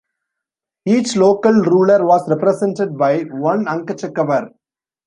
Each local ruler was represented by one Ankachekavar.